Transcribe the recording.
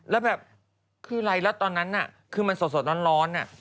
แล้วแบบคืออะไรแล้วตอนนั้นน่ะคือมันสดสดตอนร้อนน่ะ